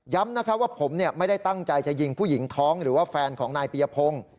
ว่าผมไม่ได้ตั้งใจจะยิงผู้หญิงท้องหรือว่าแฟนของนายปียพงศ์